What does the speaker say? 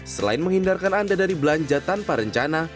selain menghindarkan anda dari belanja tanpa rencana